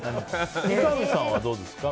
三上さんはどうですか？